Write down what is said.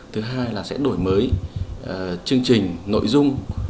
thứ hai là sẽ đổi mới chương trình nội dung